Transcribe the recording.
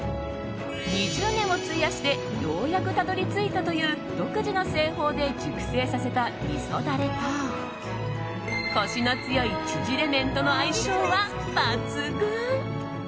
２０年を費やしてようやくたどり着いたという独自の製法で熟成させたみそダレとコシの強いちぢれ麺との相性は抜群。